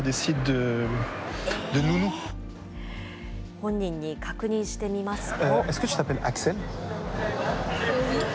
本人に確認してみますと。